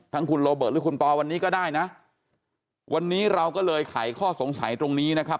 คุณโรเบิร์ตหรือคุณปอวันนี้ก็ได้นะวันนี้เราก็เลยไขข้อสงสัยตรงนี้นะครับ